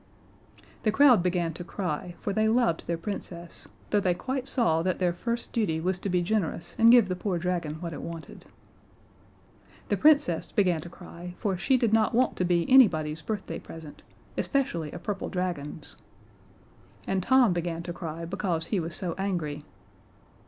The crowd began to cry, for they loved their Princess, though they quite saw that their first duty was to be generous and give the poor dragon what it wanted. The Princess began to cry, for she did not want to be anybody's birthday present especially a purple dragon's. And Tom began to cry because he was so angry.